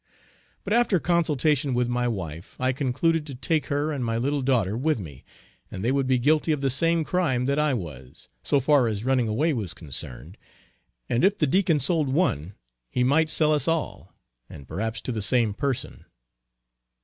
But after consultation with my wife I concluded to take her and my little daughter with me and they would be guilty of the same crime that I was, so far as running away was concerned; and if the Deacon sold one he might sell us all, and perhaps to the same person.